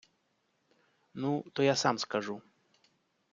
Ну, то я сам скажу!